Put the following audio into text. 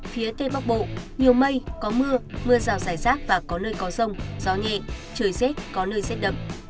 phía tây bắc bộ nhiều mây có mưa mưa rào rải rác và có nơi có rông gió nhẹ trời rét có nơi rét đậm